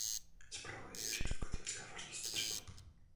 Spravuje jej Římskokatolická farnost Třeboň.